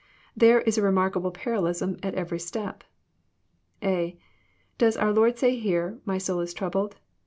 There is a remarkable parallelism at every step. (a) Does our Lord say here, " My soul is troubled"?